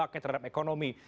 dampaknya terhadap ekonomi